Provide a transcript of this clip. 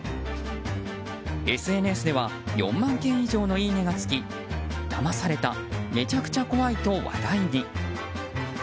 ＳＮＳでは４万件以上のいいねがつきだまされた、めちゃくちゃ怖いと話題に。